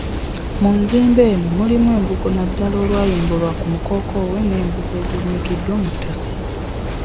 Mu nzimbe eno mulimu embugo naddala olwayimbulwa ku mukookoowe n’embugo ezinnyikiddwa mu ttosi.